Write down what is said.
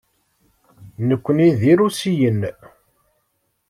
Nekkni d Irusiyen.